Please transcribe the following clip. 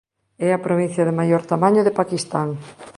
É a provincia de maior tamaño de Paquistán.